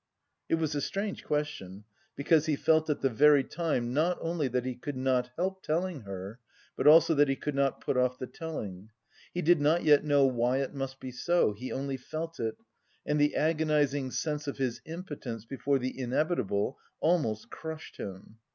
It was a strange question because he felt at the very time not only that he could not help telling her, but also that he could not put off the telling. He did not yet know why it must be so, he only felt it, and the agonising sense of his impotence before the inevitable almost crushed him.